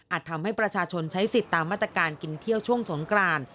ทำให้ประชาชนใช้สิทธิ์ตามมาตรการกินเที่ยวช่วงสงกราน